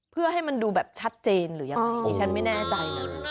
เพื่อให้มันดูแบบชัดเจนหรือยังไงดิฉันไม่แน่ใจนะ